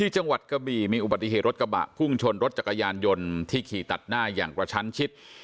จังหวัดกะบี่มีอุบัติเหตุรถกระบะพุ่งชนรถจักรยานยนต์ที่ขี่ตัดหน้าอย่างกระชั้นชิด